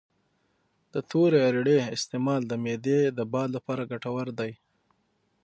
د تورې اریړې استعمال د معدې د باد لپاره ګټور دی